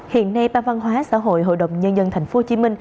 hiện nay ba văn hóa xã hội hội đồng nhân dân tp hcm